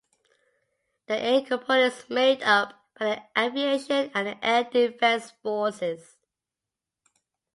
The air component is made up by the Aviation and the Air Defense Forces.